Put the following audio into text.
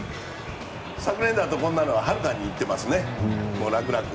昨年だとこんなのははるかにいってます。